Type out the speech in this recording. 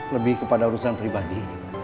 lebih kepada urusan pribadi